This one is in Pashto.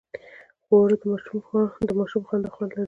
اوړه د ماشوم خندا خوند لري